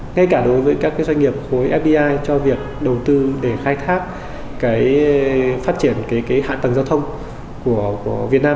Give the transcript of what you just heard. ngay cả đối với các doanh nghiệp khối fdi cho việc đầu tư để khai thác phát triển hạ tầng giao thông của việt nam